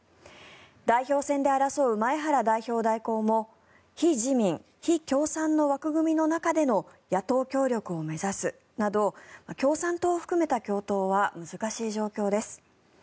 代表選で争う前原代表代行も非自民・非共産の枠組みの中での野党協力を目指すなど共産党を含めた共闘は難しい状況です。